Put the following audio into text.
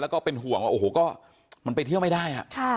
แล้วก็เป็นห่วงว่าโอ้โหก็มันไปเที่ยวไม่ได้